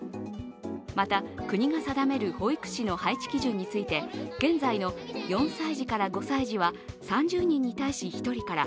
また国が定める保育士の配置基準について、現在の４歳児から５歳児は３０人に対し１人から